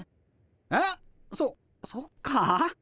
えっそそっか。